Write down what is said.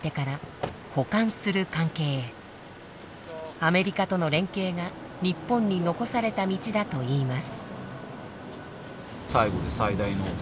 アメリカとの連携が日本に残された道だといいます。